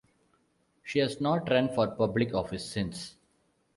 She has not run for public office since.